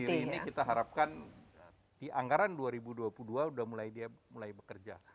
vaksin sendiri ini kita harapkan di anggaran dua ribu dua puluh dua sudah mulai bekerja